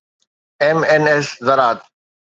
MNS زراعت